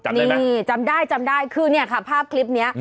นี่จำได้จำได้คือเนี่ยค่ะภาพคลิปนี้